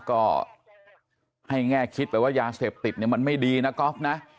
ก็ให้แง่คิดไปว่ายาเสพติดเนี่ยมันไม่ดีนะก๊อฟนะ